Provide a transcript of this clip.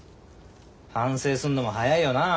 反省すんのも早いよな。